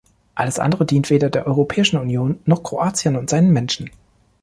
Alles andere dient weder der Europäischen Union noch Kroatien und seinen Menschen.